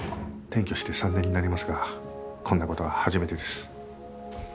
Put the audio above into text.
転居して３年になりますがこんな事は初めてです。